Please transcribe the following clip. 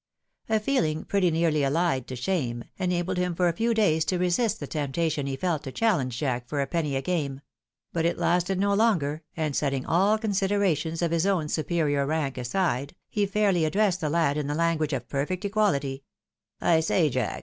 A feeling, pretty nearly allied to shame, enabled him for a few A CHALLENGE. 51 days to resist tlie temptation he felt to challenge Jack for a penny a game ; but it lasted no longer, and setting all con siderations of his own superior rank aside, he fairly addressed the lad in the language of perfect equahty :—" I say, Jack